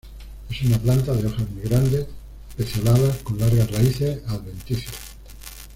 Es una planta de hojas muy grandes, pecioladas, con largas raíces adventicias.